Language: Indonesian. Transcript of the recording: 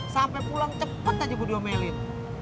sampai pulang cepet aja gue diomelin